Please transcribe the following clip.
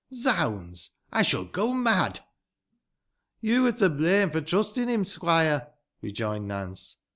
Zoimds! I shall go mad." " Yo wur to blame fo' trustin' him, squoire," rejoined Nance.